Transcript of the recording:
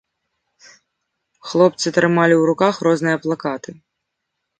Хлопцы трымалі ў руках розныя плакаты.